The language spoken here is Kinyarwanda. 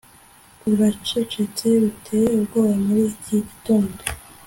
uracecetse biteye ubwoba muri iki gitondo